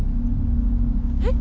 えっ？